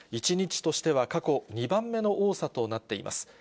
１日としては、過去２番目の多さとなっています。